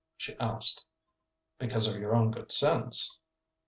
she asked. "Because of your own good sense?"